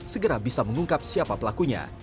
segera bisa mengungkap siapa pelakunya